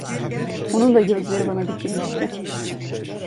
Onun da gözleri bana dikilmişti.